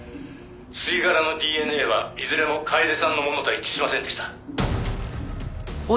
「吸い殻のＤＮＡはいずれも楓さんのものと一致しませんでした」